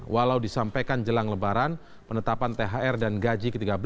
walau disampaikan jelang lebaran penetapan thr dan gaji ke tiga belas